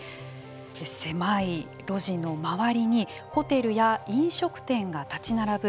狭い路地の周りにホテルや飲食店が立ち並ぶ